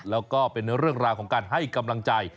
แล้วก็เป็นเรื่องราวของการให้กำลังใจ